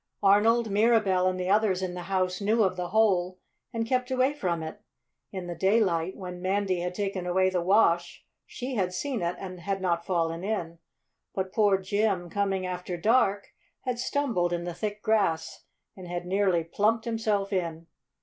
Arnold, Mirabell and the others in the house knew of the hole, and kept away from it. In the daylight, when Mandy had taken away the wash, she had seen it and had not fallen in. But poor Jim, coming after dark, had stumbled in the thick grass and had nearly plumped himself in.